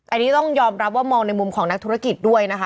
อันนี้ต้องยอมรับว่ามองในมุมของนักธุรกิจด้วยนะคะ